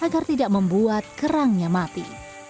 agar tidak membuat kerangnya mati